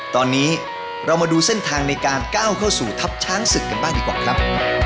ตอนนี้เรามาดูเส้นทางในการก้าวเข้าสู่ทัพช้างศึกกันบ้างดีกว่าครับ